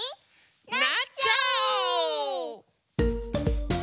なっちゃおう！